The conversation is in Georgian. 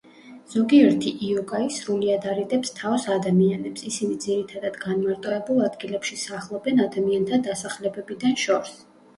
ზოგიერთი იოკაი სრულიად არიდებს თავს ადამიანებს; ისინი ძირითადად განმარტოებულ ადგილებში სახლობენ ადამიანთა დასახლებებიდან შორს.